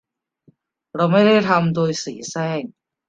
เราไม่ได้ทำโดยเสแสร้ง